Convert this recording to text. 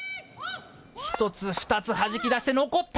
１つ、２つはじき出して残った。